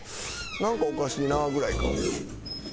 「なんかおかしいな」ぐらいか。